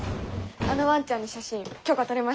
あのワンちゃんの写真許可とれました。